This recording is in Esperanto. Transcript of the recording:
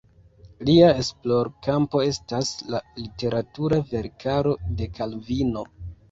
Lia esplorkampo estas la literatura verkaro de Kalvino.